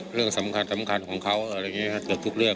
เรื่องสำคัญสำคัญของเขาอะไรอย่างนี้เกือบทุกเรื่อง